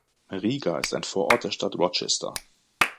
Riga ist ein Vorort der Stadt Rochester.